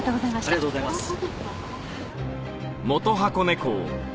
ありがとうございます。